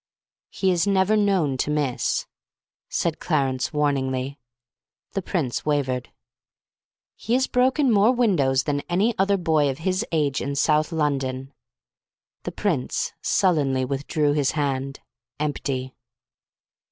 "He is never known to miss," said Clarence warningly. The Prince wavered. "He has broken more windows than any other boy of his age in South London." The Prince sullenly withdrew his hand empty.